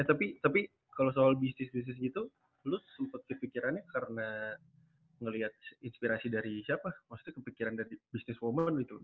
tapi kalau soal bisnis bisnis gitu lu sempet kepikirannya karena melihat inspirasi dari siapa maksudnya kepikiran dari business woman gitu